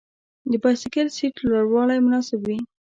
د بایسکل سیټ لوړوالی مناسب وي.